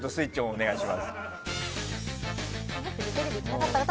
お願いします。